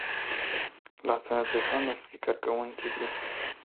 لاسونه د ژوند اصلي کارکوونکي دي